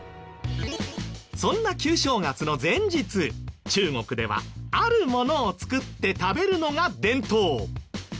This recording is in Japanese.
そんな旧正月の前日中国ではあるものを作って食べるのが伝統。